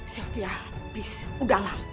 sofia please udah lah